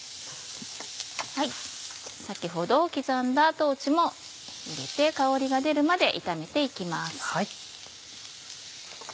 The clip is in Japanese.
先ほど刻んだ豆も入れて香りが出るまで炒めて行きます。